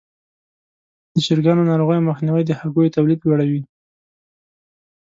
د چرګانو ناروغیو مخنیوی د هګیو تولید لوړوي.